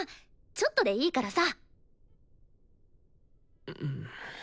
ちょっとでいいからさ。